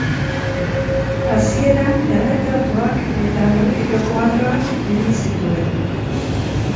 Hasieran erretratuak eta erlijio-koadroak egin zituen.